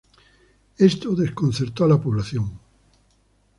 Esto desconcertó a la población.